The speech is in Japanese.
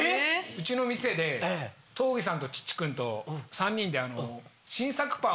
うちの店で東儀さんとちっちくんと３人で。